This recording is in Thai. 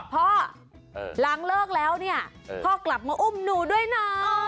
พ่อหลังเลิกแล้วเนี่ยพ่อกลับมาอุ้มหนูด้วยนะ